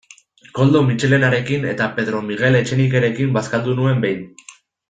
Koldo Mitxelenarekin eta Pedro Miguel Etxenikerekin bazkaldu nuen behin.